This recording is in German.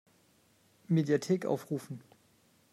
Mediathek aufrufen!